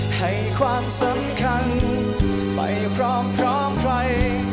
ให้ความสำคัญไปพร้อมใคร